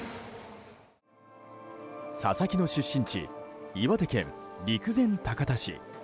佐々木の出身地岩手県陸前高田市。